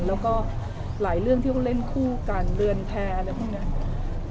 แล้วก็หลายเรื่องที่เขาเล่นคู่กันเรือนแพร่อะไรพวกนี้